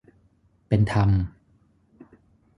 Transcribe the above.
เป็นธรรม